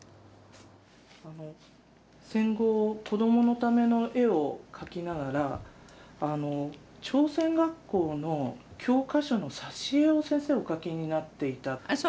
戦後子供のための絵を描きながら朝鮮学校の教科書の挿絵を先生お描きになっていたという。